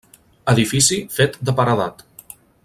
Edifici fet de paredat.